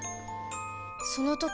その時